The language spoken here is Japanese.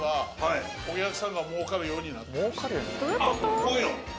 あっこういうの？